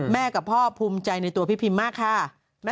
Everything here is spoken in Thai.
กับพ่อภูมิใจในตัวพี่พิมมากค่ะ